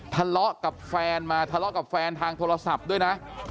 ทะเลาะกับแฟนมาทะเลาะกับแฟนทางโทรศัพท์ด้วยนะ